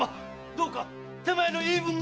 どうか手前の言い分も！